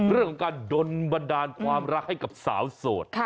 เรื่องของการดนบันดาลความรักให้กับสาวโสด